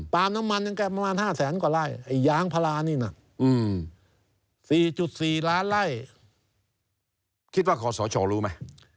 เพราะว่ากรมศาสตร์ชอบรู้มั้ย